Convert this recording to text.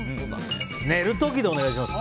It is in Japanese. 寝る時でお願いします。